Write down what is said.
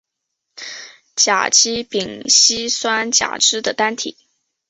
甲基丙烯酸甲酯的单体。